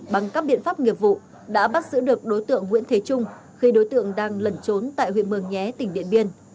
bằng các biện pháp nghiệp vụ đã bắt giữ được đối tượng nguyễn thế trung khi đối tượng đang lẩn trốn tại huyện mường nhé tỉnh điện biên